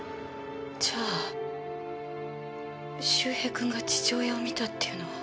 じゃあ周平君が父親を見たっていうのは。